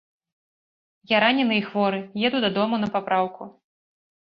Я ранены і хворы, еду дадому на папраўку.